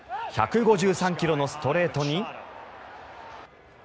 １５３ｋｍのストレートに。